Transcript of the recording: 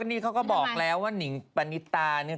ก็นี่เขาก็บอกแล้วว่านิ๊กปะนิตานี้